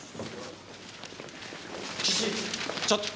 岸ちょっと。